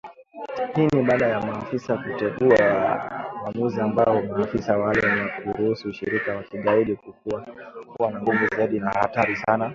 Hii ni baada ya maafisa kutengua uamuzi ambao maafisa wanalaumu kwa kuruhusu ushirika wa kigaidi kukua na kuwa na nguvu zaidi na hatari sana